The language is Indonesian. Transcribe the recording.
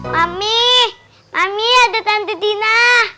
mami mami ada tante dina